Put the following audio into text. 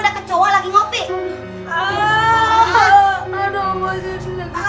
kal kuponnya aman nggak kal